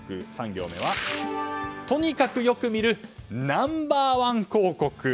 ３行目は、とにかくよく見るナンバー１広告。